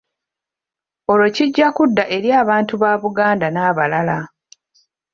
Olwo kijja kudda eri abantu ba Buganda n’abalala.